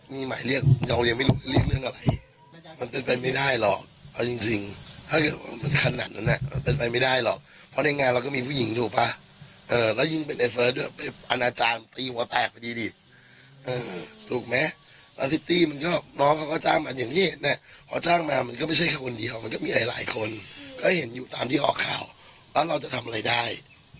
ในบทสอนก็จะเห็นตามที่เป็นที่เป็นที่บ้างจะเห็นตามที่นาทีออกข่าวแล้วเราจะทำอะไรได้